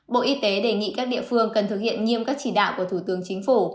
bộ y tế đề nghị các địa phương cần thực hiện nghiêm các chỉ đạo của thủ tướng chính phủ